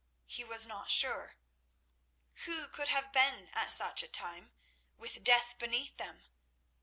He was not sure. Who could have been at such a time, with death beneath them?